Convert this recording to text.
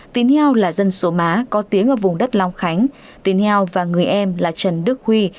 tín heo là dân số má có tiếng ở vùng đất long khánh tín heo và người em là trần đức huy